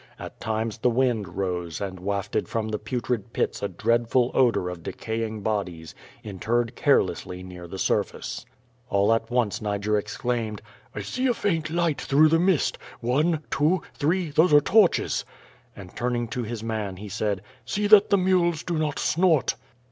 At times the wind rose and wafted from the "Putrid Pits" a dreadful odor of decaying bodies, interred carelessly near the surface. All at once Niger exclaimed! *1 see a faint light through the mist — one, two, three — ^those are torches." And, turning to his man, he said: "See that the mules do not snort.''